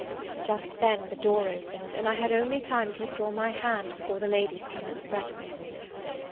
Just then the door opened, and I had only time to withdraw my hand, before the ladies came in to breakfast.